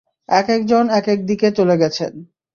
একেক জন একেক দিকে চলে গেছে।